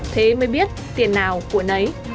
thế mới biết tiền nào của nấy